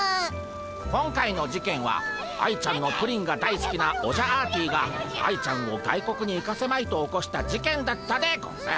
今回の事件は愛ちゃんのプリンが大すきなオジャアーティが愛ちゃんを外国に行かせまいと起こした事件だったでゴンス。